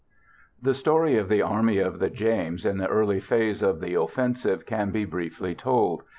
The story of the Army of the James in the early phase of the offensive can be briefly told.